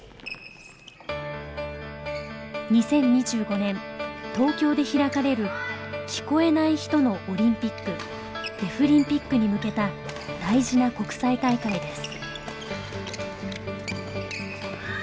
２０２５年東京で開かれる聞こえない人のオリンピックデフリンピックに向けた大事な国際大会です。